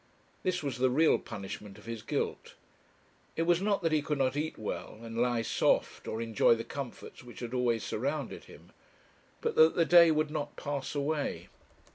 This was the real punishment of his guilt; it was not that he could not eat well, and lie soft, or enjoy the comforts which had always surrounded him; but that the day would not pass away.